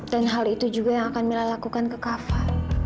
dan hal itu juga yang akan mila lakukan ke kava